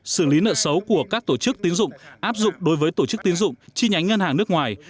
xử lý nợ xấu của các tổ chức tín dụng áp dụng đối với tổ chức tiến dụng chi nhánh ngân hàng nước ngoài